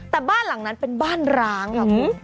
แต่บ้านหลังนั้นเป็นบ้านร้างค่ะ